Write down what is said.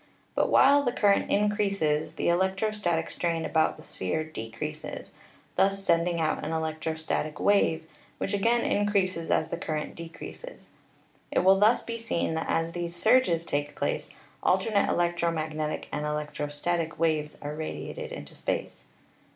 But while the current increases the electrostatic strain about the sphere decreases, thus sending out an electro static wave which again increases as the current de creases. It will thus be seen that as these surges take place alternate electromagnetic and electrostatic waves are radiated into space.